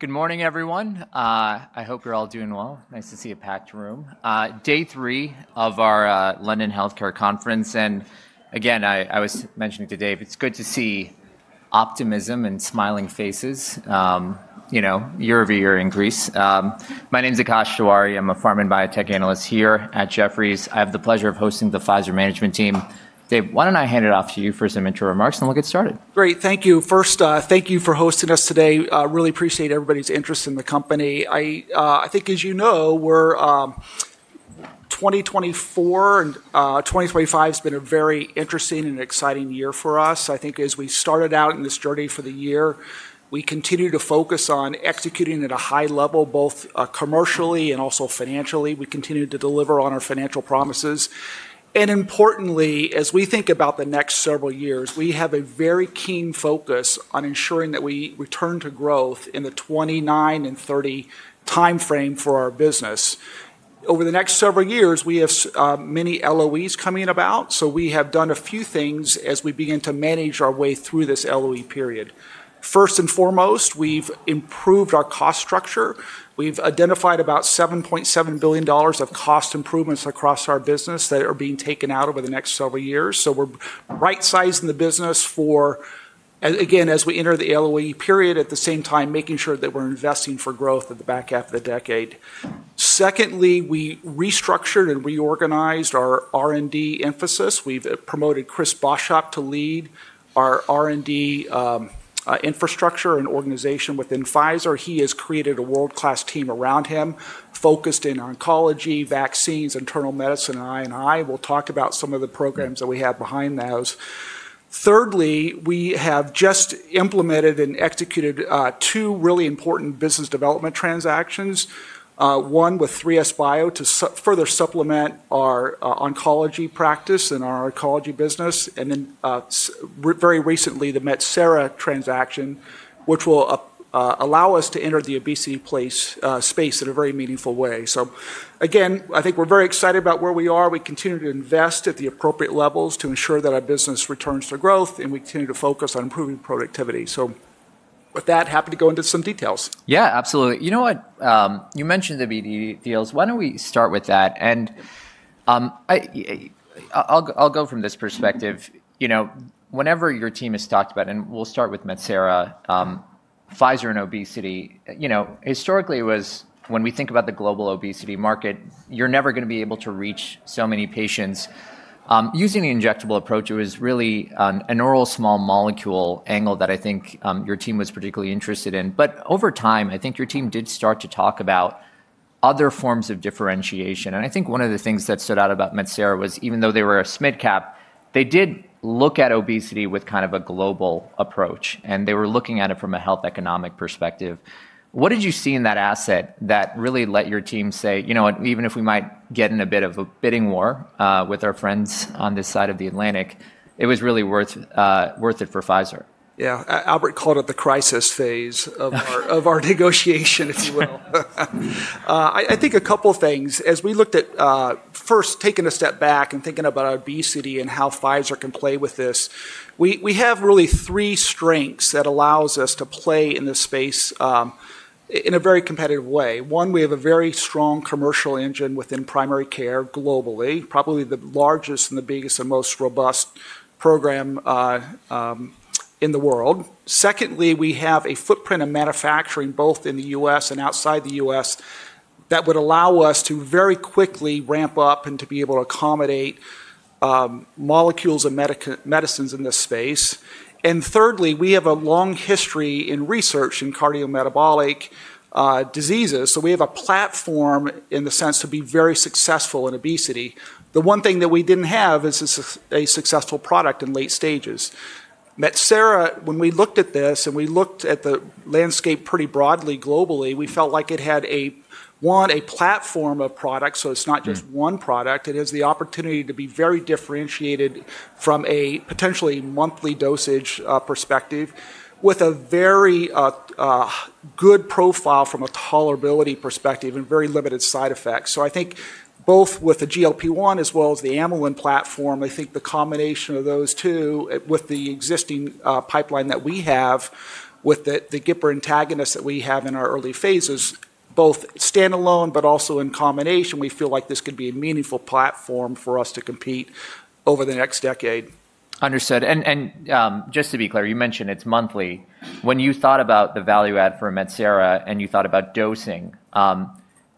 Good morning, everyone. I hope you're all doing well. Nice to see a packed room. Day three of our London Healthcare Conference. I was mentioning to Dave, it's good to see optimism and smiling faces year over year in Greece. My name is Akash Jawhari. I'm a pharma and biotech analyst here at Jefferies. I have the pleasure of hosting the Pfizer management team. Dave, why don't I hand it off to you for some intro remarks, and we'll get started. Great. Thank you. First, thank you for hosting us today. Really appreciate everybody's interest in the company. I think, as you know, we're 2024, and 2025 has been a very interesting and exciting year for us. I think as we started out in this journey for the year, we continue to focus on executing at a high level, both commercially and also financially. We continue to deliver on our financial promises. Importantly, as we think about the next several years, we have a very keen focus on ensuring that we return to growth in the 2029 and 2030 timeframe for our business. Over the next several years, we have many LOEs coming about. We have done a few things as we begin to manage our way through this LOE period. First and foremost, we've improved our cost structure. We've identified about $7.7 billion of cost improvements across our business that are being taken out over the next several years. We're right-sizing the business for, again, as we enter the LOE period, at the same time making sure that we're investing for growth at the back half of the decade. Secondly, we restructured and reorganized our R&D emphasis. We've promoted Chris Boshoff to lead our R&D infrastructure and organization within Pfizer. He has created a world-class team around him, focused in oncology, vaccines, internal medicine, and I&I. We'll talk about some of the programs that we have behind those. Thirdly, we have just implemented and executed two really important business development transactions, one with 3SBio to further supplement our oncology practice and our oncology business. Very recently, the Metsera transaction, which will allow us to enter the obesity space in a very meaningful way. I think we're very excited about where we are. We continue to invest at the appropriate levels to ensure that our business returns to growth, and we continue to focus on improving productivity. With that, happy to go into some details. Yeah, absolutely. You know what? You mentioned the BD deals. Why don't we start with that? I'll go from this perspective. Whenever your team has talked about, and we'll start with Metsera, Pfizer and obesity, historically, it was when we think about the global obesity market, you're never going to be able to reach so many patients. Using the injectable approach, it was really an oral small molecule angle that I think your team was particularly interested in. Over time, I think your team did start to talk about other forms of differentiation. I think one of the things that stood out about Metsera was even though they were a small cap, they did look at obesity with kind of a global approach. They were looking at it from a health economic perspective. What did you see in that asset that really let your team say, you know what, even if we might get in a bit of a bidding war with our friends on this side of the Atlantic, it was really worth it for Pfizer? Yeah. Albert called it the crisis phase of our negotiation, if you will. I think a couple of things. As we looked at first taking a step back and thinking about obesity and how Pfizer can play with this, we have really three strengths that allow us to play in this space in a very competitive way. One, we have a very strong commercial engine within primary care globally, probably the largest and the biggest and most robust program in the world. Secondly, we have a footprint of manufacturing both in the U.S. and outside the U.S. that would allow us to very quickly ramp up and to be able to accommodate molecules and medicines in this space. Thirdly, we have a long history in research in cardiometabolic diseases. We have a platform in the sense to be very successful in obesity. The one thing that we didn't have is a successful product in late stages. Metsera, when we looked at this and we looked at the landscape pretty broadly globally, we felt like it had, one, a platform of products. It is not just one product. It has the opportunity to be very differentiated from a potentially monthly dosage perspective with a very good profile from a tolerability perspective and very limited side effects. I think both with the GLP-1 as well as the Amylin platform, I think the combination of those two with the existing pipeline that we have with the GIPR antagonist that we have in our early phases, both standalone, but also in combination, we feel like this could be a meaningful platform for us to compete over the next decade. Understood. Just to be clear, you mentioned it's monthly. When you thought about the value add for Metsera and you thought about dosing,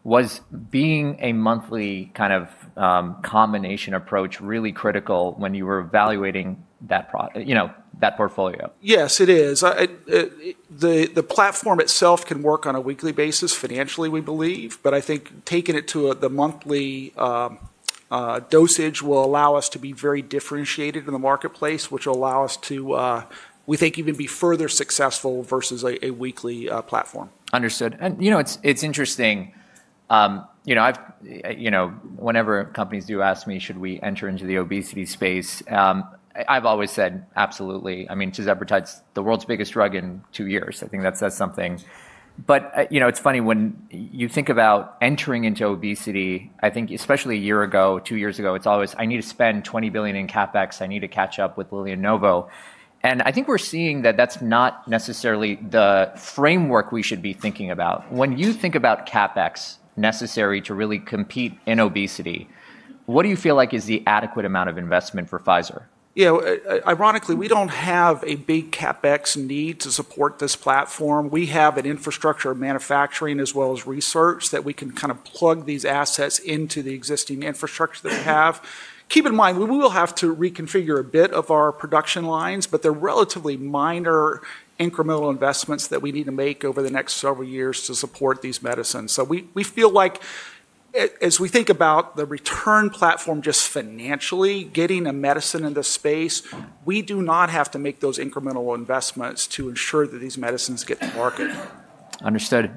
was being a monthly kind of combination approach really critical when you were evaluating that portfolio? Yes, it is. The platform itself can work on a weekly basis financially, we believe. I think taking it to the monthly dosage will allow us to be very differentiated in the marketplace, which will allow us to, we think, even be further successful versus a weekly platform. Understood. And you know it's interesting. Whenever companies do ask me, should we enter into the obesity space, I've always said, absolutely. I mean, to Zepbound's the world's biggest drug in two years. I think that says something. But it's funny when you think about entering into obesity, I think especially a year ago, two years ago, it's always, I need to spend $20 billion in CapEx. I need to catch up with Lilly and Novo. And I think we're seeing that that's not necessarily the framework we should be thinking about. When you think about CapEx necessary to really compete in obesity, what do you feel like is the adequate amount of investment for Pfizer? Yeah. Ironically, we do not have a big CapEx need to support this platform. We have an infrastructure of manufacturing as well as research that we can kind of plug these assets into the existing infrastructure that we have. Keep in mind, we will have to reconfigure a bit of our production lines, but they are relatively minor incremental investments that we need to make over the next several years to support these medicines. We feel like as we think about the return platform just financially, getting a medicine in the space, we do not have to make those incremental investments to ensure that these medicines get to market. Understood.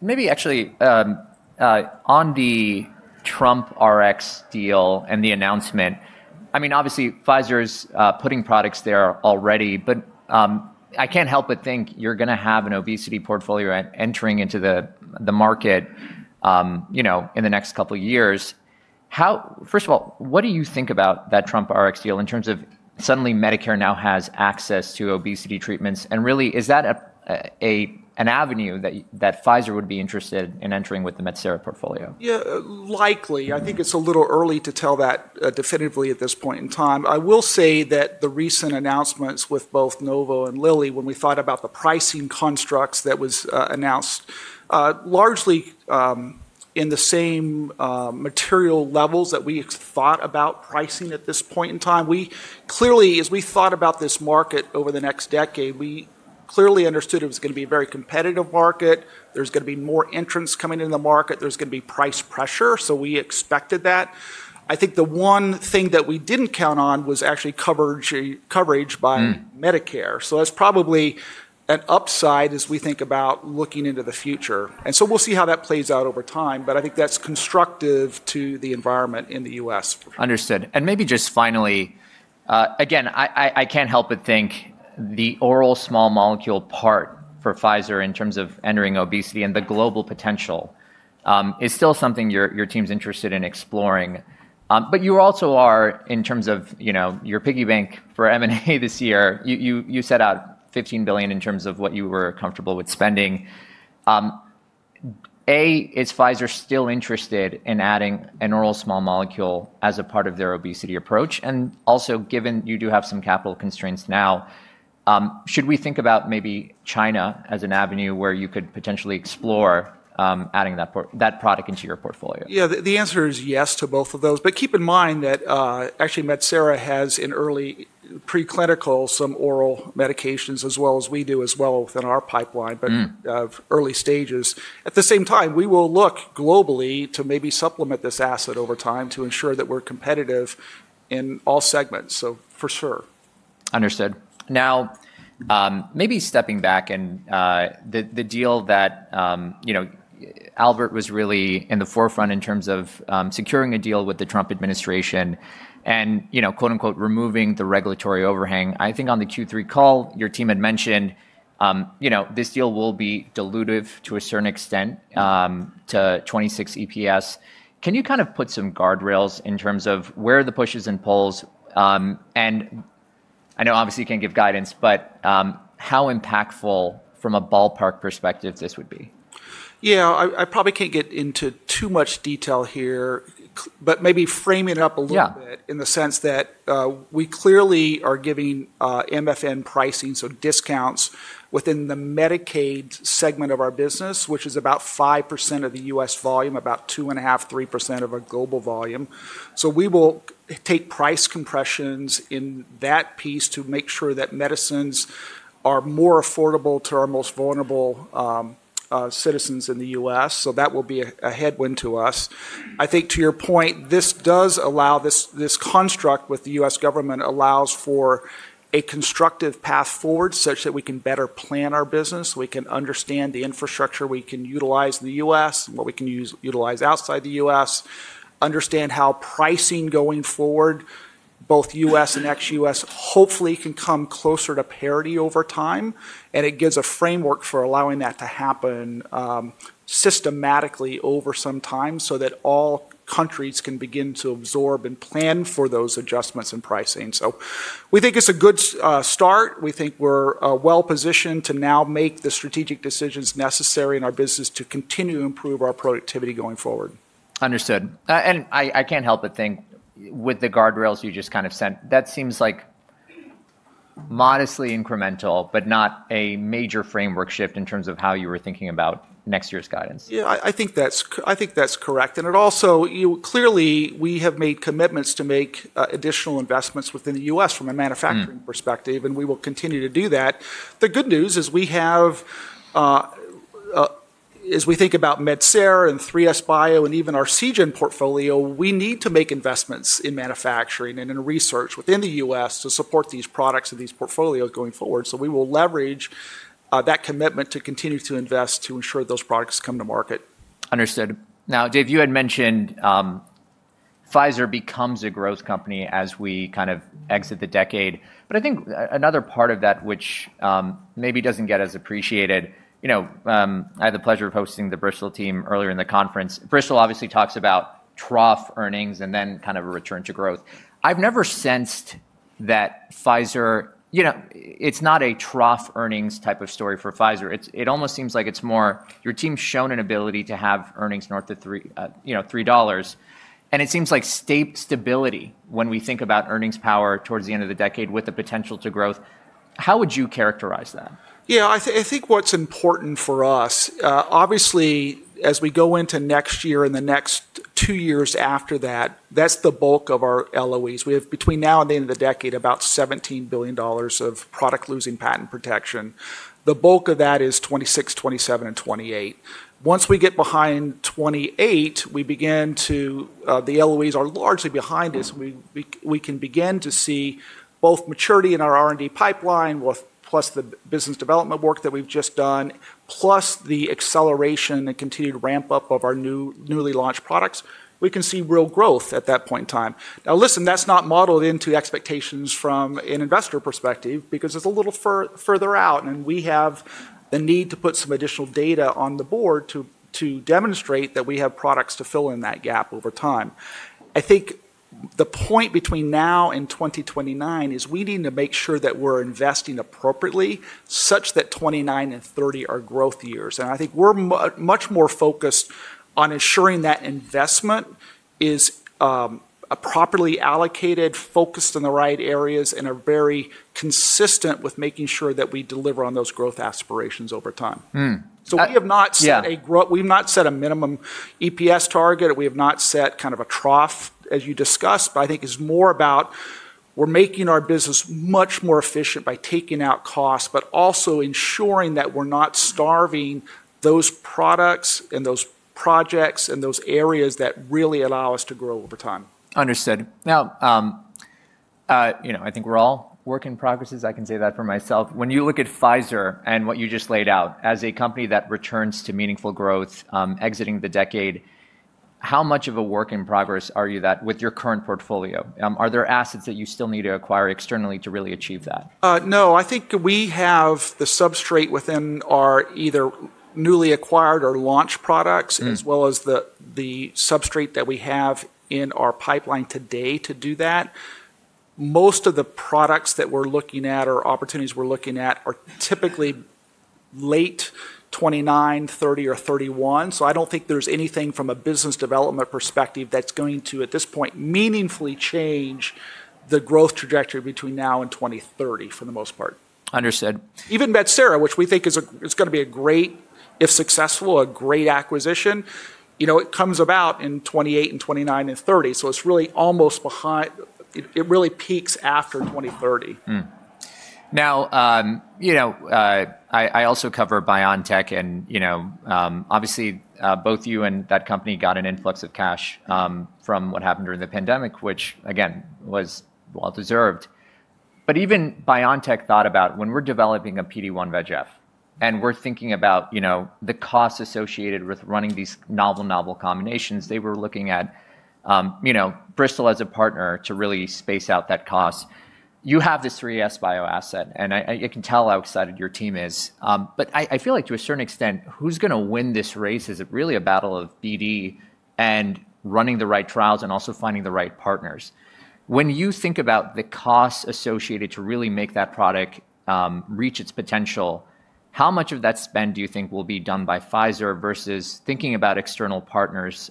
Maybe actually on the Trump Rx deal and the announcement, I mean, obviously, Pfizer is putting products there already. I can't help but think you're going to have an obesity portfolio entering into the market in the next couple of years. First of all, what do you think about that Trump Rx deal in terms of suddenly Medicare now has access to obesity treatments? Really, is that an avenue that Pfizer would be interested in entering with the Metsera portfolio? Yeah, likely. I think it's a little early to tell that definitively at this point in time. I will say that the recent announcements with both Novo and Lilly, when we thought about the pricing constructs that was announced, largely in the same material levels that we thought about pricing at this point in time, we clearly, as we thought about this market over the next decade, we clearly understood it was going to be a very competitive market. There's going to be more entrants coming into the market. There's going to be price pressure. We expected that. I think the one thing that we didn't count on was actually coverage by Medicare. That's probably an upside as we think about looking into the future. We will see how that plays out over time. I think that's constructive to the environment in the U.S. Understood. Maybe just finally, again, I can't help but think the oral small molecule part for Pfizer in terms of entering obesity and the global potential is still something your team's interested in exploring. You also are, in terms of your piggy bank for M&A this year, you set out $15 billion in terms of what you were comfortable with spending. A, is Pfizer still interested in adding an oral small molecule as a part of their obesity approach? Also, given you do have some capital constraints now, should we think about maybe China as an avenue where you could potentially explore adding that product into your portfolio? Yeah, the answer is yes to both of those. But keep in mind that actually Metsera has in early preclinical some oral medications as well as we do as well within our pipeline but early stages. At the same time, we will look globally to maybe supplement this asset over time to ensure that we're competitive in all segments, so for sure. Understood. Now, maybe stepping back and the deal that Albert was really in the forefront in terms of securing a deal with the Trump administration and "removing the regulatory overhang." I think on the Q3 call, your team had mentioned this deal will be dilutive to a certain extent to 2026 EPS. Can you kind of put some guardrails in terms of where the push is in pulls? I know, obviously, you can't give guidance, but how impactful from a ballpark perspective this would be? Yeah, I probably can't get into too much detail here, but maybe framing it up a little bit in the sense that we clearly are giving MFN pricing, so discounts within the Medicaid segment of our business, which is about 5% of the U.S. volume, about 2.5%-3% of our global volume. We will take price compressions in that piece to make sure that medicines are more affordable to our most vulnerable citizens in the U.S. That will be a headwind to us. I think to your point, this does allow this construct with the U.S. government allows for a constructive path forward such that we can better plan our business. We can understand the infrastructure. We can utilize the U.S. and what we can utilize outside the U.S., understand how pricing going forward, both U.S. and ex-U.S., hopefully can come closer to parity over time. It gives a framework for allowing that to happen systematically over some time so that all countries can begin to absorb and plan for those adjustments in pricing. We think it is a good start. We think we are well positioned to now make the strategic decisions necessary in our business to continue to improve our productivity going forward. Understood. I cannot help but think with the guardrails you just kind of set, that seems like modestly incremental, but not a major framework shift in terms of how you were thinking about next year's guidance. Yeah, I think that's correct. It also, clearly, we have made commitments to make additional investments within the U.S. from a manufacturing perspective. We will continue to do that. The good news is we have, as we think about Metsera and 3SBio and even our Seagen portfolio, we need to make investments in manufacturing and in research within the US to support these products and these portfolios going forward. We will leverage that commitment to continue to invest to ensure those products come to market. Understood. Now, Dave, you had mentioned Pfizer becomes a growth company as we kind of exit the decade. I think another part of that, which maybe does not get as appreciated, I had the pleasure of hosting the Bristol team earlier in the conference. Bristol obviously talks about trough earnings and then kind of a return to growth. I have never sensed that Pfizer, it is not a trough earnings type of story for Pfizer. It almost seems like it is more your team's shown an ability to have earnings north of $3. It seems like stability when we think about earnings power towards the end of the decade with the potential to growth. How would you characterize that? Yeah, I think what's important for us, obviously, as we go into next year and the next two years after that, that's the bulk of our LOEs. We have, between now and the end of the decade, about $17 billion of product losing patent protection. The bulk of that is 2026, 2027, and 2028. Once we get behind 2028, we begin to, the LOEs are largely behind us. We can begin to see both maturity in our R&D pipeline, plus the business development work that we've just done, plus the acceleration and continued ramp up of our newly launched products. We can see real growth at that point in time. Now, listen, that's not modeled into expectations from an investor perspective because it's a little further out. We have the need to put some additional data on the board to demonstrate that we have products to fill in that gap over time. I think the point between now and 2029 is we need to make sure that we're investing appropriately such that 2029 and 2030 are growth years. I think we're much more focused on ensuring that investment is properly allocated, focused in the right areas, and very consistent with making sure that we deliver on those growth aspirations over time. We have not set a minimum EPS target. We have not set kind of a trough, as you discussed. I think it's more about we're making our business much more efficient by taking out costs, but also ensuring that we're not starving those products and those projects and those areas that really allow us to grow over time. Understood. Now, I think we're all work in progress, as I can say that for myself. When you look at Pfizer and what you just laid out as a company that returns to meaningful growth exiting the decade, how much of a work in progress are you with your current portfolio? Are there assets that you still need to acquire externally to really achieve that? No, I think we have the substrate within our either newly acquired or launched products as well as the substrate that we have in our pipeline today to do that. Most of the products that we're looking at or opportunities we're looking at are typically late 2029, 2030, or 2031. I don't think there's anything from a business development perspective that's going to, at this point, meaningfully change the growth trajectory between now and 2030 for the most part. Understood. Even Metsera, which we think is going to be a great, if successful, a great acquisition, it comes about in 2028 and 2029 and 2030. It is really almost behind. It really peaks after 2030. Now, I also cover BioNTech. Obviously, both you and that company got an influx of cash from what happened during the pandemic, which, again, was well deserved. Even BioNTech thought about when we're developing a PD-1 VEGF and we're thinking about the cost associated with running these novel, novel combinations, they were looking at Bristol as a partner to really space out that cost. You have the 3SBio asset. I can tell how excited your team is. I feel like, to a certain extent, who's going to win this race? Is it really a battle of BD and running the right trials and also finding the right partners? When you think about the cost associated to really make that product reach its potential, how much of that spend do you think will be done by Pfizer versus thinking about external partners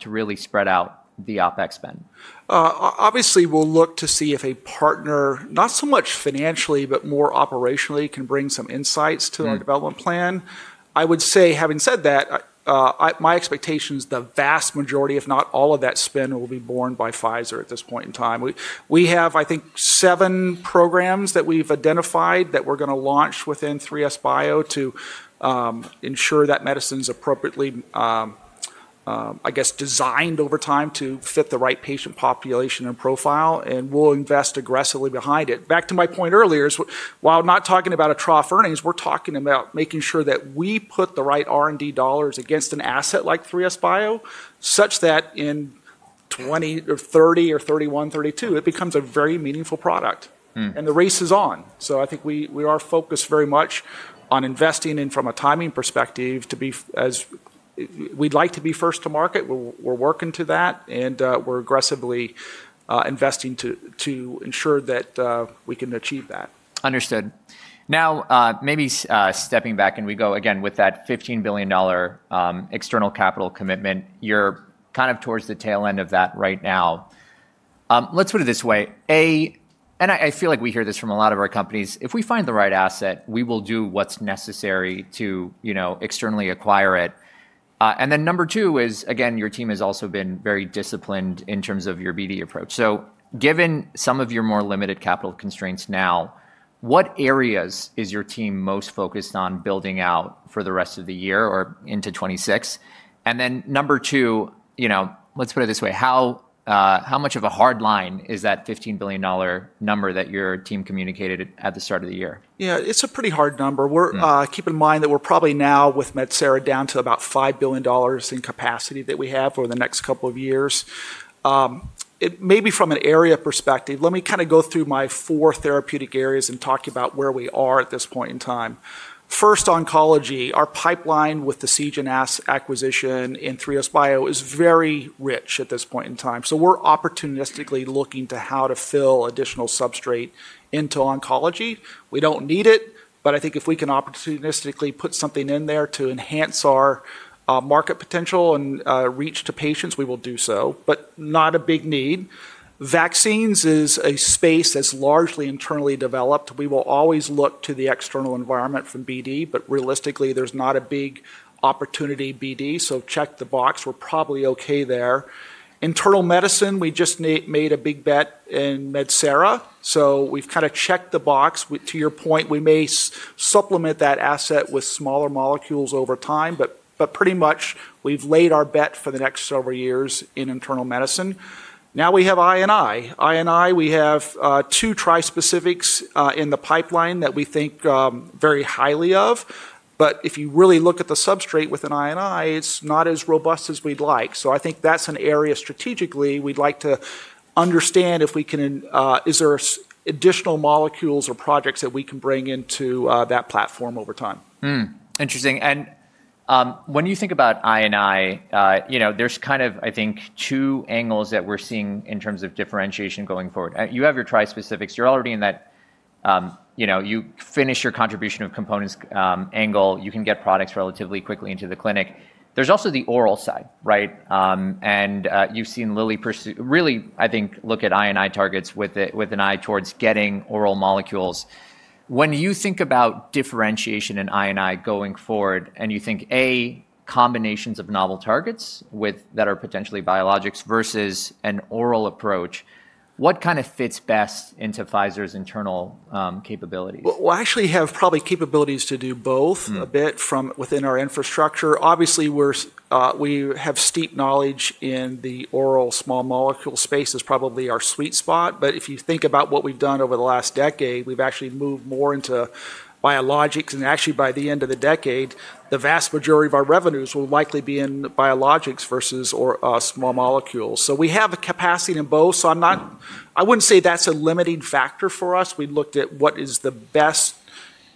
to really spread out the OpEx spend? Obviously, we'll look to see if a partner, not so much financially, but more operationally, can bring some insights to our development plan. I would say, having said that, my expectation is the vast majority, if not all of that spend, will be borne by Pfizer at this point in time. We have, I think, seven programs that we've identified that we're going to launch within 3SBio to ensure that medicine's appropriately, I guess, designed over time to fit the right patient population and profile. We'll invest aggressively behind it. Back to my point earlier, while not talking about a trough earnings, we're talking about making sure that we put the right R&D dollars against an asset like 3SBio such that in 2020 or 2030 or 2031, 2032, it becomes a very meaningful product. The race is on. I think we are focused very much on investing in, from a timing perspective, to be as we'd like to be First to market. We're working to that. We're aggressively investing to ensure that we can achieve that. Understood. Now, maybe stepping back and we go again with that $15 billion external capital commitment, you're kind of towards the tail end of that right now. Let's put it this way. A, and I feel like we hear this from a lot of our companies, if we find the right asset, we will do what's necessary to externally acquire it. Number two is, again, your team has also been very disciplined in terms of your BD approach. Given some of your more limited capital constraints now, what areas is your team most focused on building out for the rest of the year or into 2026? Number two, let's put it this way. How much of a hard line is that $15 billion number that your team communicated at the start of the year? Yeah, it's a pretty hard number. Keep in mind that we're probably now with Metsera down to about $5 billion in capacity that we have over the next couple of years. Maybe from an area perspective, let me kind of go through my four therapeutic areas and talk about where we are at this point in time. First, oncology. Our pipeline with the Seagen acquisition and 3SBio is very rich at this point in time. We are opportunistically looking to how to fill additional substrate into oncology. We do not need it. I think if we can opportunistically put something in there to enhance our market potential and reach to patients, we will do so, but not a big need. Vaccines is a space that's largely internally developed. We will always look to the external environment from BD. Realistically, there's not a big opportunity BD. Check the box. We're probably OK there. Internal medicine, we just made a big bet in Metsera. We've kind of checked the box. To your point, we may supplement that asset with smaller molecules over time. Pretty much, we've laid our bet for the next several years in internal medicine. Now we have I&I. I&I, we have two trispecifics in the pipeline that we think very highly of. If you really look at the substrate within I&I, it's not as robust as we'd like. I think that's an area strategically we'd like to understand if we can, is there additional molecules or projects that we can bring into that platform over time. Interesting. When you think about I&I, there's kind of, I think, two angles that we're seeing in terms of differentiation going forward. You have your trispecifics. You're already in that, you finish your contribution of components angle. You can get products relatively quickly into the clinic. There's also the oral side, right? You've seen Lilly really, I think, look at I&I targets with an eye towards getting oral molecules. When you think about differentiation in I&I going forward and you think, A, combinations of novel targets that are potentially biologics versus an oral approach, what kind of fits best into Pfizer's internal capabilities? We actually have probably capabilities to do both a bit from within our infrastructure. Obviously, we have steep knowledge in the oral small molecule space, which is probably our sweet spot. If you think about what we have done over the last decade, we have actually moved more into biologics. Actually, by the end of the decade, the vast majority of our revenues will likely be in biologics versus small molecules. We have a capacity in both. I would not say that is a limiting factor for us. We looked at what is the best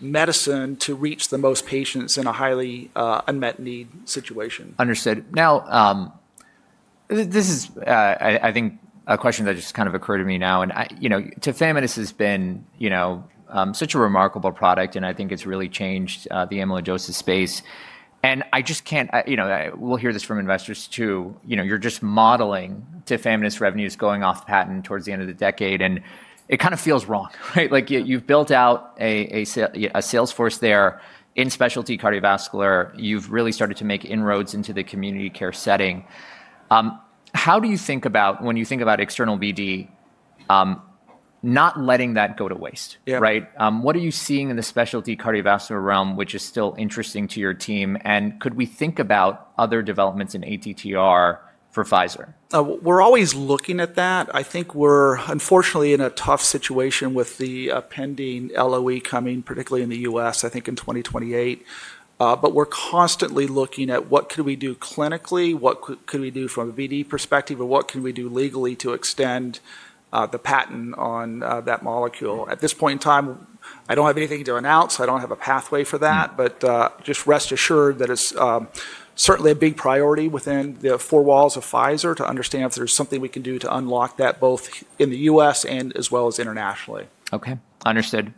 medicine to reach the most patients in a highly unmet need situation. Understood. Now, this is, I think, a question that just kind of occurred to me now. And Vyndamax has been such a remarkable product. And I think it's really changed the amyloidosis space. And I just can't, we'll hear this from investors too, you're just modeling Vyndamax revenues going off patent towards the end of the decade. And it kind of feels wrong. You've built out a Salesforce there in specialty cardiovascular. You've really started to make inroads into the community care setting. How do you think about, when you think about external BD, not letting that go to waste? What are you seeing in the specialty cardiovascular realm, which is still interesting to your team? And could we think about other developments in ATTR for Pfizer? We're always looking at that. I think we're, unfortunately, in a tough situation with the pending LOE coming, particularly in the U.S., I think in 2028. We're constantly looking at what could we do clinically, what could we do from a BD perspective, or what can we do legally to extend the patent on that molecule. At this point in time, I don't have anything to announce. I don't have a pathway for that. Just rest assured that it's certainly a big priority within the four walls of Pfizer to understand if there's something we can do to unlock that both in the U.S. and as well as internationally. OK, understood.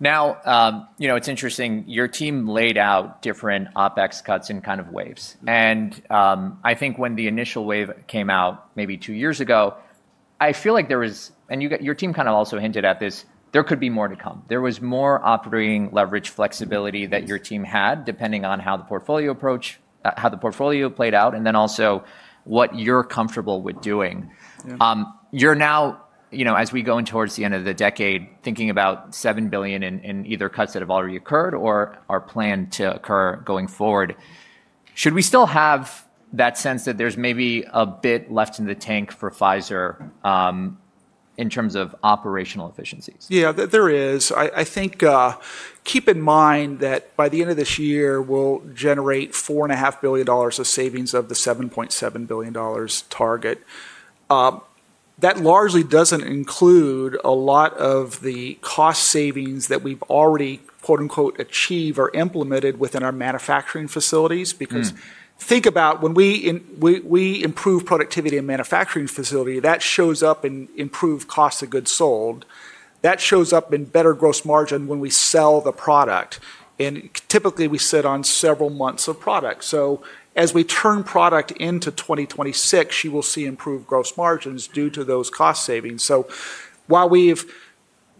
Now, it's interesting. Your team laid out different OpEx cuts in kind of waves. I think when the initial wave came out maybe two years ago, I feel like there was, and your team kind of also hinted at this, there could be more to come. There was more operating leverage flexibility that your team had depending on how the portfolio approach, how the portfolio played out, and then also what you're comfortable with doing. You're now, as we go in towards the end of the decade, thinking about $7 billion in either cuts that have already occurred or are planned to occur going forward. Should we still have that sense that there's maybe a bit left in the tank for Pfizer in terms of operational efficiencies? Yeah, there is. I think keep in mind that by the end of this year, we'll generate $4.5 billion of savings of the $7.7 billion target. That largely doesn't include a lot of the cost savings that we've already "achieved" or implemented within our manufacturing facilities. Because think about when we improve productivity in manufacturing facility, that shows up in improved cost of goods sold. That shows up in better gross margin when we sell the product. Typically, we sit on several months of product. As we turn product into 2026, you will see improved gross margins due to those cost savings. While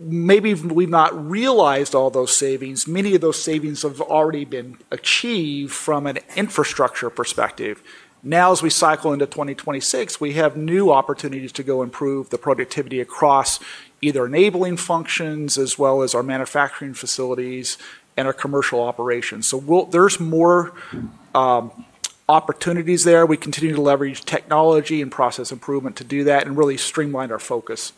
maybe we've not realized all those savings, many of those savings have already been achieved from an infrastructure perspective. Now, as we cycle into 2026, we have new opportunities to go improve the productivity across either enabling functions as well as our manufacturing facilities and our commercial operations. There are more opportunities there. We continue to leverage technology and process improvement to do that and really streamline our focus.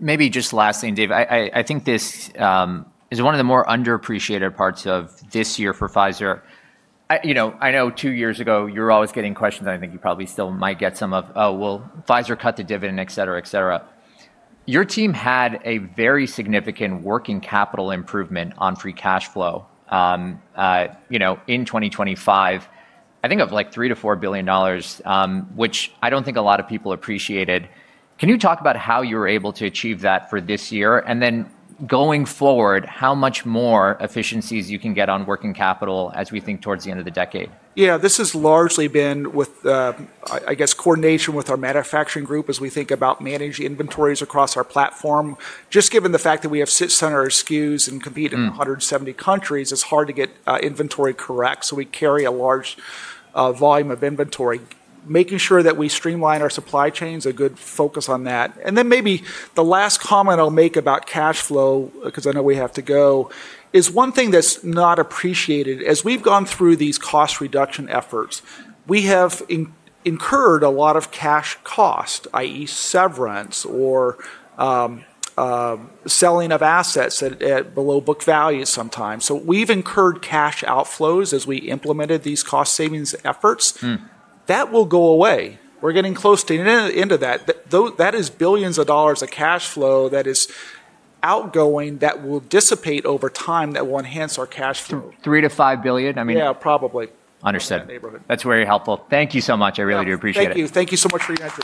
Maybe just last thing, Dave. I think this is one of the more underappreciated parts of this year for Pfizer. I know two years ago, you were always getting questions. I think you probably still might get some of, oh, well, Pfizer cut the dividend, et cetera, et cetera. Your team had a very significant working capital improvement on free cash flow in 2025, I think of like $3-$4 billion, which I do not think a lot of people appreciated. Can you talk about how you were able to achieve that for this year? And then going forward, how much more efficiencies you can get on working capital as we think towards the end of the decade? Yeah, this has largely been with, I guess, coordination with our manufacturing group as we think about managing inventories across our platform. Just given the fact that we have 600 SKUs and compete in 170 countries, it's hard to get inventory correct. We carry a large volume of inventory. Making sure that we streamline our supply chain is a good focus on that. Maybe the last comment I'll make about cash flow, because I know we have to go, is one thing that's not appreciated. As we've gone through these cost reduction efforts, we have incurred a lot of cash cost, i.e., severance or selling of assets at below book value sometimes. We have incurred cash outflows as we implemented these cost savings efforts. That will go away. We're getting close to the end of that. That is billions of dollars of cash flow that is outgoing that will dissipate over time that will enhance our cash flow. $3 billion to $5 billion? Yeah, probably. Understood. That's very helpful. Thank you so much. I really do appreciate it. Thank you. Thank you so much for your answer.